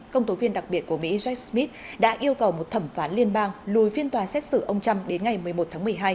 công tố viên đặc biệt của mỹ jaks smith đã yêu cầu một thẩm phán liên bang lùi phiên tòa xét xử ông trump đến ngày một mươi một tháng một mươi hai